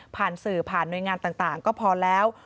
ผ่านสื่อผ่านหน่วยงานต่างก็พอแล้ว